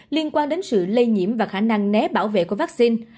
liên quan đến sự lây nhiễm và khả năng né bảo vệ của vaccine